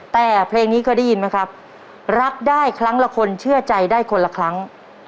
แต่เพลงนี้เคยได้ยินไหมครับรักได้ครั้งละคนเชื่อใจได้คนละครั้ง